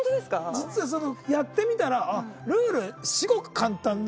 実はやってみたらルール至極簡単で。